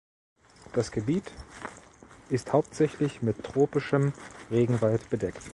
Das Gebiet ist hauptsächlich mit tropischem Regenwald bedeckt.